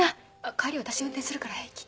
帰り私運転するから平気。